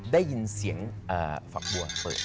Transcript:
ได้ยินเสียงฝักบัวเปิด